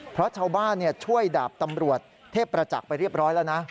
เพราะชาวบ้านช่วยดาบตำรวจเทพประจักษ์ไปเรียบร้อยแล้วนะ